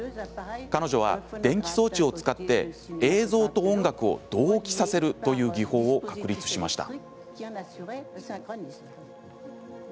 彼女は電気装置を使って映像と音楽を同時に同期させるという技法を確立しました。